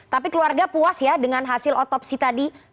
tapi keluarga puas ya dengan hasil otopsi tadi